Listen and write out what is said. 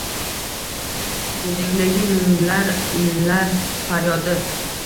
Kuzingdagi munglar iillar faryodi